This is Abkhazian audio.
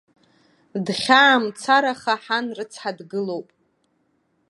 Дхьаамацараха ҳан рыцҳа дгылоуп.